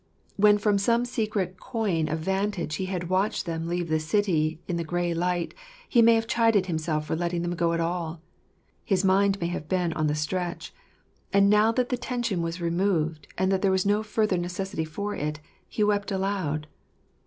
When from some secret coign of vantage he had watched them leave the city in the grey light, he may have chided himself for letting them go at all. His mind had been on the stretch ; and now that the tension was removed, and that there was no further necessity for it, he wept aloud.